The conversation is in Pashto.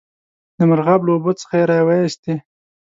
د مرغاب له اوبو څخه یې را وایستی.